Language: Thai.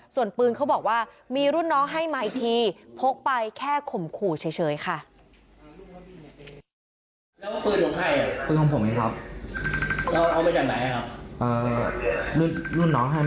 ส่วนปืนเขาบอกว่ามีรุ่นน้องให้มาอีกทีพกไปแค่ข่มขู่เฉยค่ะ